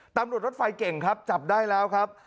รถไฟเก่งครับจับได้แล้วครับ